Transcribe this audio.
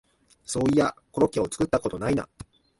そういやコロッケを作ったことないな